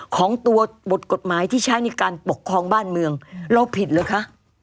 ของตัวบทกฎหมายที่ใช้ในการปกครองบ้านเมืองเราผิดเหรอคะ